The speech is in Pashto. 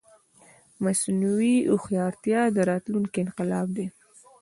مصنوعي هوښيارتيا راتلونکې انقلاب دی